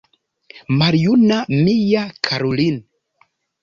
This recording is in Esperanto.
Maljuna mia karulin’!